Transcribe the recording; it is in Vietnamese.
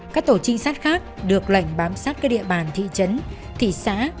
các tổ trinh sát khác được lệnh bám sát các địa bàn thị trấn thị xã